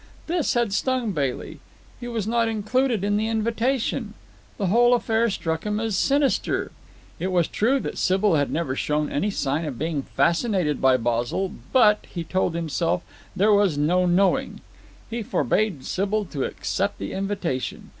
This had stung Bailey. He was not included in the invitation. The whole affair struck him as sinister. It was true that Sybil had never shown any sign of being fascinated by Basil; but, he told himself, there was no knowing. He forbade Sybil to accept the invitation.